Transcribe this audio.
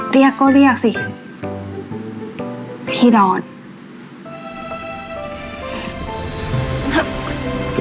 เรียบเขาเรียกสิ